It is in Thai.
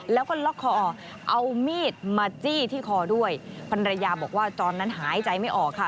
แล้วก็ล็อกคอเอามีดมาจี้ที่คอด้วยภรรยาบอกว่าตอนนั้นหายใจไม่ออกค่ะ